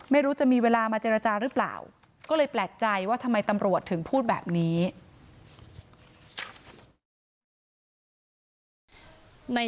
ไม่รู้จะมีเวลามาเจรจาหรือเปล่าก็เลยแปลกใจว่าทำไมตำรวจถึงพูดแบบนี้